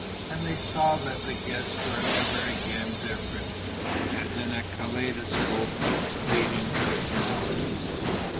And they saw that the guests were ever again different, as in a kaleidoscope of fleeting personalities.